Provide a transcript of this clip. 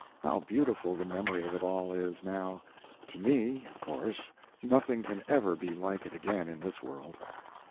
How beautiful the memory of it all is now! To me, of course, nothing can ever be like it again in this world.